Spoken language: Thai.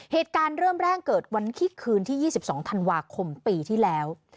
เหตุการณ์เริ่มแรกเกิดวันที่คืนที่๒๒ธันวาคมปีที่แล้ว